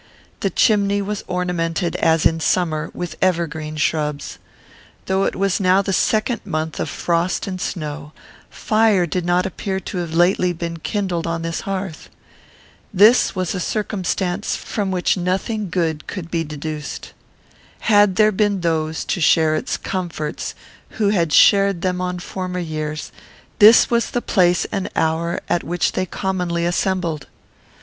The chimney was ornamented, as in summer, with evergreen shrubs. Though it was now the second month of frost and snow, fire did not appear to have been lately kindled on this hearth. This was a circumstance from which nothing good could be deduced. Had there been those to share its comforts who had shared them on former years, this was the place and hour at which they commonly assembled.